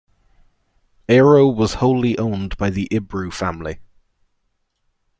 Aero was wholly owned by the Ibru family.